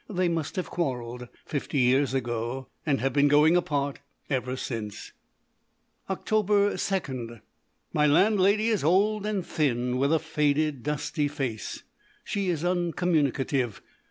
They must have quarrelled fifty years ago and have been going apart ever since. Oct. 2. My landlady is old and thin, with a faded, dusty face. She is uncommunicative.